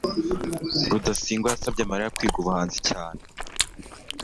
rudasingwa yasabye mariya kwiga ubuhanzi cyane